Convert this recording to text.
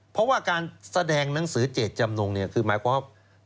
เพราะว่าการแสดงหนังสือเจตจำนงเนี่ยคือหมายความว่า